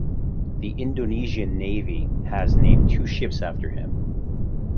The Indonesian Navy has named two ships after him.